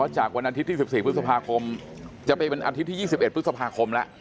จากวันอาทิตย์ที่๑๔พฤษภาคมจะเป็นวันอาทิตย์ที่๒๑พฤษภาคมแล้ว